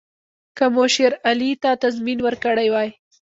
که موږ شېر علي ته تضمین ورکړی وای.